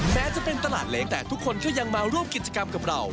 แม้จะเป็นตลาดเล็กแต่ทุกคนก็ยังมาร่วมกิจกรรมกับเรา